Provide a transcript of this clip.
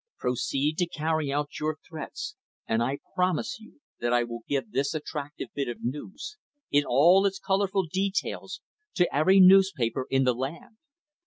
Proceed to carry out your threats, and I promise you that I will give this attractive bit of news, in all its colorful details, to every newspaper in the land.